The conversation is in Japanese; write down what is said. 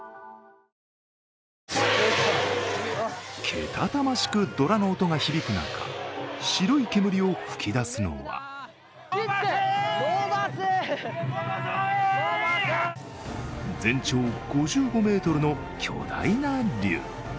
けたたましくドラの音が響く中白い煙を吹き出すのは全長５５ｍの巨大な龍。